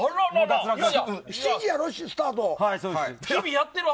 ７時やろ、スタート。